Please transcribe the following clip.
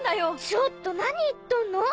ちょっと何言っとんの？